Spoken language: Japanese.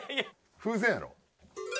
風船やろ？